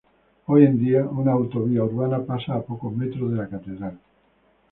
Hoy en día una autovía urbana pasa a pocos metros de la catedral.